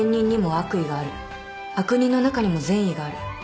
悪人の中にも善意がある。